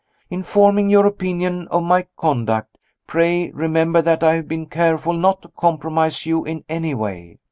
In forming your opinion of my conduct, pray remember that I have been careful not to compromise you in any way.